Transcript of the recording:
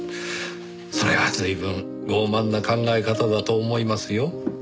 それは随分傲慢な考え方だと思いますよ。